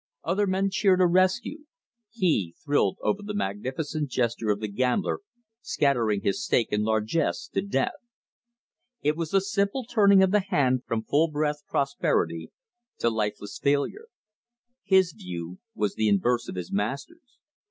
Other men cheered a rescue: he thrilled over the magnificent gesture of the Gambler scattering his stake in largesse to Death. It was the simple turning of the hand from full breathed prosperity to lifeless failure. His view was the inverse of his master's.